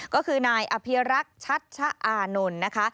ก็คือนายอัพยารักษ์ชัตชะอานนท์